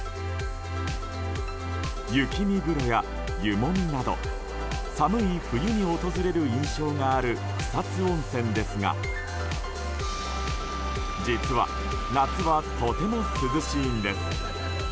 雪見風呂や湯もみなど寒い冬に訪れる印象がある草津温泉ですが実は、夏はとても涼しいんです。